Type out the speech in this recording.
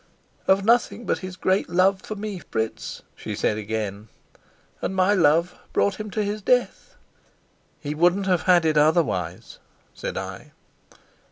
"Of nothing but his great love for me, Fritz," she said again. "And my love brought him to his death." "He wouldn't have had it otherwise," said I.